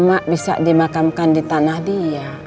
mak bisa dimakamkan di tanah dia